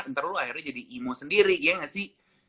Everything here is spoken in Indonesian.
ntar lo akhirnya jadi emo sendiri iya gak sih